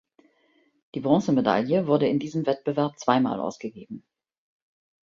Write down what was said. Die Bronzemedaille wurde in diesem Wettbewerb zweimal ausgegeben.